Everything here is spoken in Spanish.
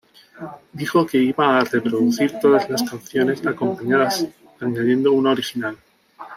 Dijo que iba a re-producir todas las canciones acompañadas añadiendo una original.